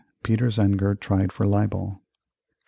Peter Zenger tried for libel 1736.